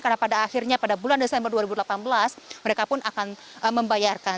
karena pada akhirnya pada bulan desember dua ribu delapan belas mereka pun akan membayarkan